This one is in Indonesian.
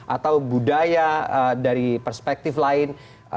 atau budaya dari perspektif lain